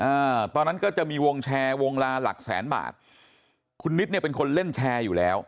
อ่าตอนนั้นก็จะมีวงแชร์วงลาหลักแสนบาทคุณนิดเนี่ยเป็นคนเล่นแชร์อยู่แล้ว